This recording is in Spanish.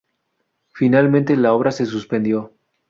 Finalmente la obra se suspendió.